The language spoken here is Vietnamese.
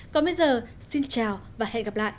còn bây giờ xin chào và hẹn gặp lại